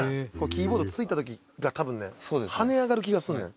「キーボード付いた時が多分ね跳ね上がる気がすんねん」